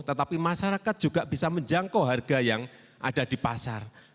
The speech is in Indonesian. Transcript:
tetapi masyarakat juga bisa menjangkau harga yang ada di pasar